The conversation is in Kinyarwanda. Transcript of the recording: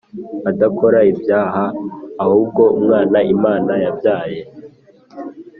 adakora ibyaha ahubwo Umwana Imana yabyaye